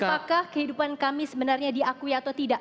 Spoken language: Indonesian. apakah kehidupan kami sebenarnya diakui atau tidak